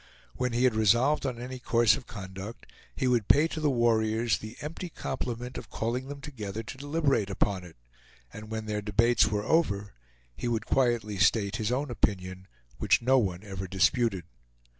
When he had resolved on any course of conduct, he would pay to the warriors the empty compliment of calling them together to deliberate upon it, and when their debates were over, he would quietly state his own opinion, which no one ever disputed.